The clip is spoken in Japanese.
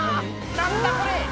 何だこれ！